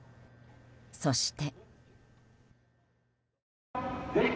そして。